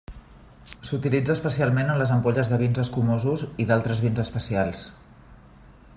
S'utilitza especialment en les ampolles de vins escumosos i d'altres vins especials.